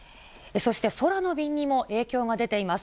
そして空の便にも影響が出ています。